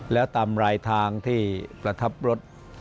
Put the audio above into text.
แล้วตามรายทางที่ประทับรถ